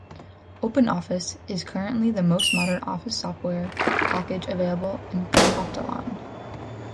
OpenOffice is currently the most modern office software package available in Catalan.